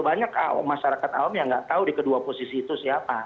banyak masyarakat awam yang nggak tahu di kedua posisi itu siapa